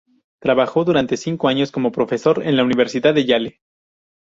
Trabajó durante cinco años como profesor en la Universidad de Yale.